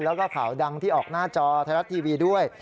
แล้วก็ข่าวดังที่ออกหน้าจอไทยรัฐทีวีด้วย